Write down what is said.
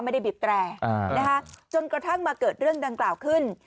ไม่ได้บีบแตรจนกระทั่งมาเกิดเรื่องดังกล่าวขึ้น